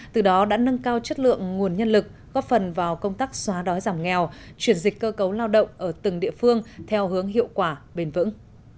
từ đó đã nâng cao chất lượng nguồn nhân lực góp phần vào công tác xóa đói giảm nghèo chuyển dịch cơ cấu lao động ở từng địa phương theo hướng hiệu quả bền vững